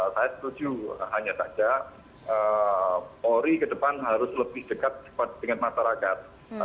saya setuju hanya saja polri ke depan harus lebih dekat dengan masyarakat